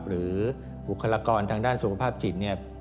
บุคลากรทางด้านสุขภาพจิตเนี่ย